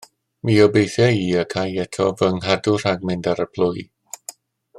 Mi obeithia i y ca i eto fy nghadw rhag mynd ar y plwy.